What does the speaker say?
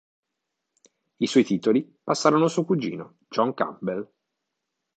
I suoi titoli passarono a suo cugino, John Campbell.